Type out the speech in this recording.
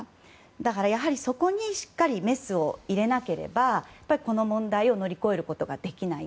だから、そこにしっかりメスを入れなければこの問題を乗り越えることができない。